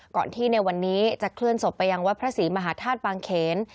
ก่อนที่ในวันนี้จะเคลื่อนศพไปยังวัดพระศรีมหาธาตุปางเขน